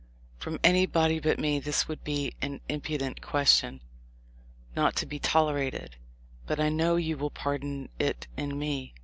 From anybody but me this would be an impudent question, not to be tolerated, but I know you will pardon it in me.